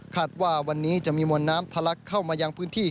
ว่าวันนี้จะมีมวลน้ำทะลักเข้ามายังพื้นที่